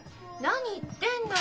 何言ってんの。